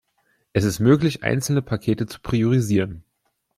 Es ist möglich, einzelne Pakete zu priorisieren.